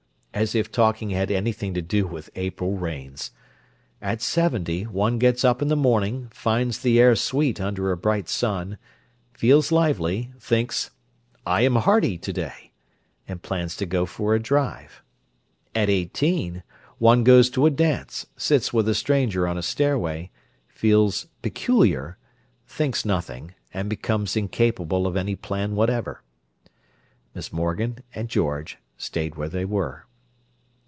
as if talking had anything to do with April rains! At seventy, one gets up in the morning, finds the air sweet under a bright sun, feels lively; thinks, "I am hearty, today," and plans to go for a drive. At eighteen, one goes to a dance, sits with a stranger on a stairway, feels peculiar, thinks nothing, and becomes incapable of any plan whatever. Miss Morgan and George stayed where they were.